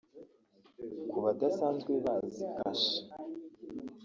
Ku badasanzwe bazi Kasha